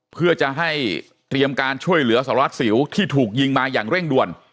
เพื่อจะให้เตรียมการช่วยเหลือสารวัสสิวที่ถูกยิงมาอย่างเร่งด่วน